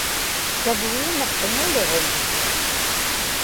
tavruuna qiŋaliġuŋ